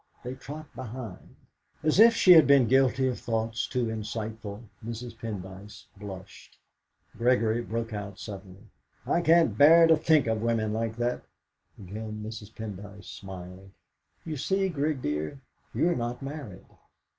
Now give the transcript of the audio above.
They trot behind." As if she had been guilty of thoughts too insightful, Mrs. Pendyce blushed. Gregory broke out suddenly: "I can't bear to think of women like that!" Again Mrs. Pendyce smiled. "You see, Grig dear, you are not married."